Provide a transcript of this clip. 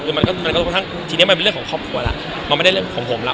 ทีนี้มันเป็นเรื่องของครอบครัวแล้วมันไม่ได้เรื่องของผมแล้ว